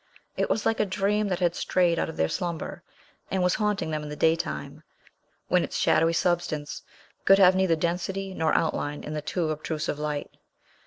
It was like a dream that had strayed out of their slumber, and was haunting them in the daytime, when its shadowy substance could have neither density nor outline, in the too obtrusive light.